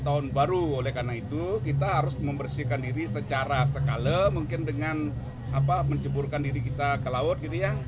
tahun baru oleh karena itu kita harus membersihkan diri secara sekala mungkin dengan menjeburkan diri kita ke laut gitu ya